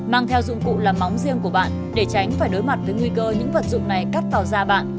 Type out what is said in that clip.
mang theo dụng cụ làm móng riêng của bạn để tránh phải đối mặt với nguy cơ những vật dụng này cắt vào da bạn